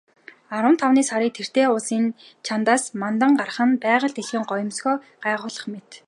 Арван тавны сар тэртээ уулын чанадаас мандан гарах нь байгаль дэлхий гоёмсгоо гайхуулах мэт.